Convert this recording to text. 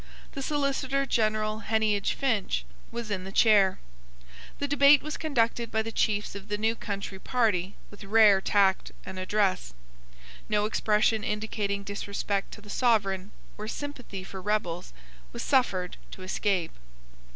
The Solicitor General Heneage Finch, was in the chair. The debate was conducted by the chiefs of the new country party with rare tact and address. No expression indicating disrespect to the Sovereign or sympathy for rebels was suffered to escape.